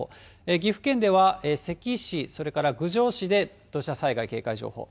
岐阜県では関市、それから郡上市で、土砂災害警戒情報。